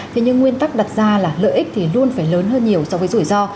thế nhưng nguyên tắc đặt ra là lợi ích thì luôn phải lớn hơn nhiều so với rủi ro